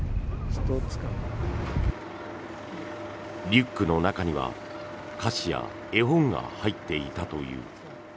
リュックの中には菓子や絵本が入っていたという。